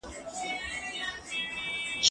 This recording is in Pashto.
زه پرون مړۍ وخوړله!؟